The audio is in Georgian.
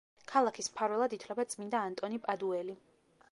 ქალაქის მფარველად ითვლება წმინდა ანტონი პადუელი.